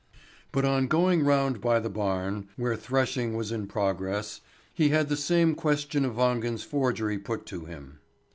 But on going round by the barn, where threshing was in progress, he had the same question of Wangen's forgery put to him.